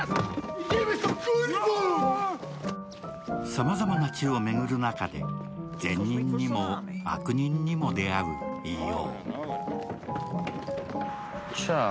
さまざまな地を巡る中で、善人にも悪人にも出会うＥＯ。